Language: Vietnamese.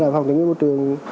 phòng tài nguyên và môi trường